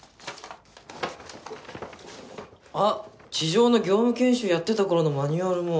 あっ地上の業務研修やってた頃のマニュアルも！